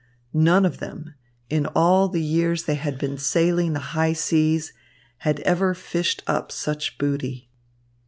None of them, in all the years they had been sailing the high seas, had ever fished up such booty.